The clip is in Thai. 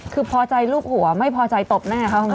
คือพอใจรูปหัวไม่พอใจตบหน้าเขา